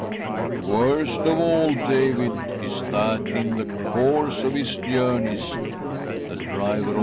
But worst, of all, David, is that, in the course of his journeys, the driver